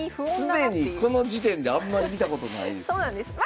既にこの時点であんまり見たことないですね。